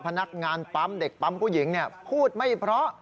พนักงานปั๊มเด็กปั๊มผู้หญิงพูดไม่เพราะ